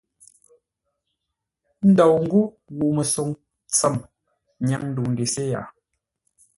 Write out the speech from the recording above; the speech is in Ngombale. Ndou ńgó ŋuu-məsoŋ tsəm nyáŋ ndəu ndesé yaʼa.